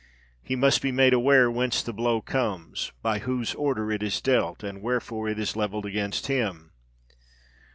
He must be made aware whence the blow comes—by whose order it is dealt—and wherefore it is levelled against him.